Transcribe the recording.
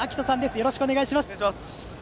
よろしくお願いします。